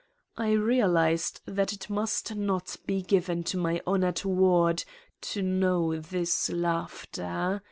I realized that it must not be given to my honored ward to know this laughter.